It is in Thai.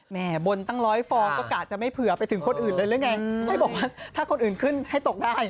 เฮ้ยบอกว่าถ้าคนอื่นขึ้นให้ตกได้